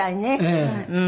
ええ。